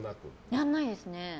やらないですね。